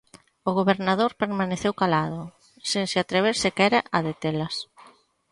O gobernador permaneceu calado, sen se atrever sequera a detelas.